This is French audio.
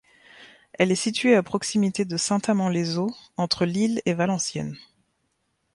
Elle est située à proximité de Saint-Amand-les-Eaux, entre Lille et Valenciennes.